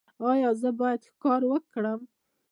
ایا زه باید ښکار وکړم؟